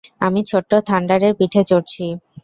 আমি ছোট্ট থান্ডারের পিঠে চড়ছি!